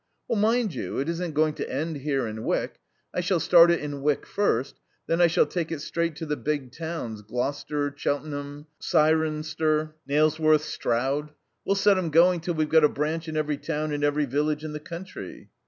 "Mind you, it isn't going to end here, in Wyck. I shall start it in Wyck first; then I shall take it straight to the big towns, Gloucester, Cheltenham, Cirencester, Nailsworth, Stroud. We'll set 'em going till we've got a branch in every town and every village in the county."